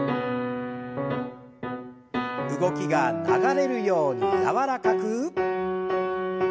動きが流れるように柔らかく。